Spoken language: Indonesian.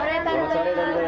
ada hal kita mau buat abis